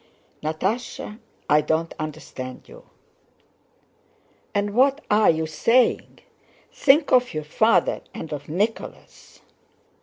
"Natásha, I don't understand you. And what are you saying! Think of your father and of Nicholas."